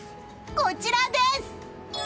こちらです！